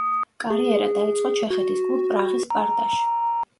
კარიერა დაიწყო ჩეხეთის კლუბ პრაღის „სპარტაში“.